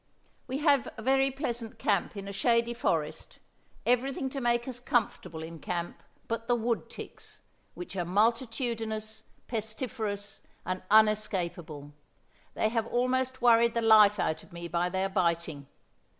"We have a very pleasant camp in a shady forest, everything to make us comfortable in camp but the wood ticks, which are multitudinous, pestiferous, and unescapable; they have almost worried the life out of me by their biting.